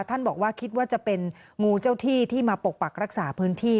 ท่านบอกว่าคิดว่าจะเป็นงูเจ้าที่ที่มาปกปักรักษาพื้นที่